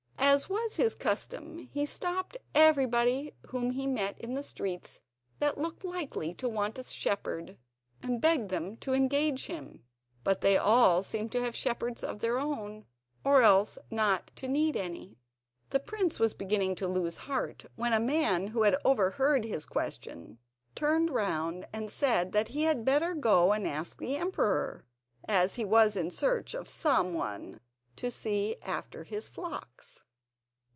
As was his custom, he stopped everybody whom he met in the streets that looked likely to want a shepherd and begged them to engage him, but they all seemed to have shepherds of their own, or else not to need any. The prince was beginning to lose heart, when a man who had overheard his question turned round and said that he had better go and ask the emperor, as he was in search of some one to see after his flocks.